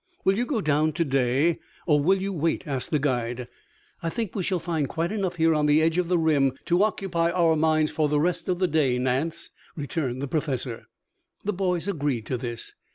"Will you go down to day, or will you wait?" asked the guide. "I think we shall find quite enough here on the edge of the rim to occupy our minds for the rest of the day, Nance," returned the Professor. The boys agreed to this.